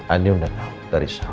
andi udah tau gak risau